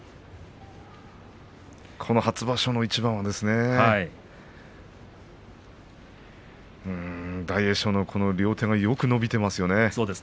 この初場所の一番は大栄翔の両手もよく伸びていますよね。